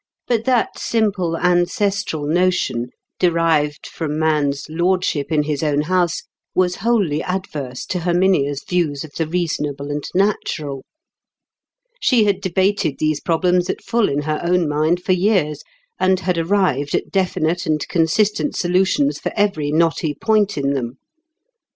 But that simple ancestral notion, derived from man's lordship in his own house, was wholly adverse to Herminia's views of the reasonable and natural. She had debated these problems at full in her own mind for years, and had arrived at definite and consistent solutions for every knotty point in them.